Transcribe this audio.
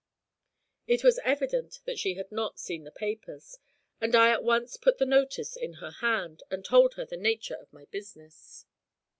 It was evident she had not seen the papers, and I at once put the notice in her hand, and told her the nature of my business.